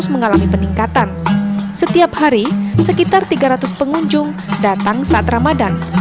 mengalami peningkatan setiap hari sekitar tiga ratus pengunjung datang saat ramadhan